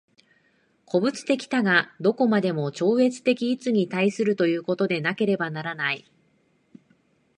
個物的多が何処までも超越的一に対するということでなければならない。